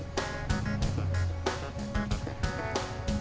terus itu kita masuk ni terus